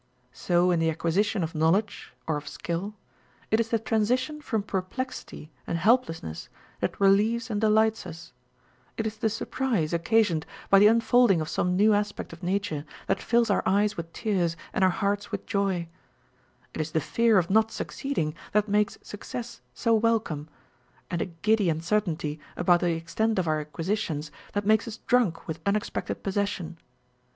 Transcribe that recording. So in the acquisition of knowledge or of skill, it is the transition from perplexity and helplessness, that relieves and delights us ; it is the surprise occasioned by the unfolding of some new aspect of nature, that fills our eyes with tears and our hearts with joy ; it is the fear of not succeeding, that makes success so welcome, and a giddy uncertainty about the extent of our acquisitions, that makes us drunk with unexpected possession.